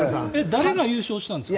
誰が優勝したんですか？